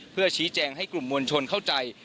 เพื่อชี้แจงให้กลุ่มมวลชนเข้าใจ